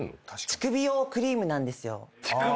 乳首用クリームなんや。